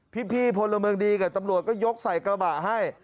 พี่พลเมืองดีกับตำรวจก็ยกใส่กระบะให้